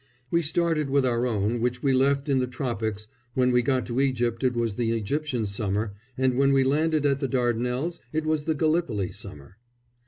We started with our own, which we left in the tropics, when we got to Egypt it was the Egyptian summer, and when we landed at the Dardanelles it was the Gallipoli summer.